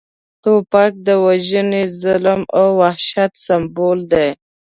توپک د وژنې، ظلم او وحشت سمبول دی